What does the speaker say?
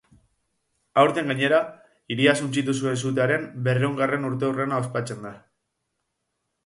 Aurten gainera, hiria suntsitu zuen sutearen berrehungarren urteurrena ospatzen da.